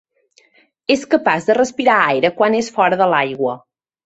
És capaç de respirar aire quan és fora de l'aigua.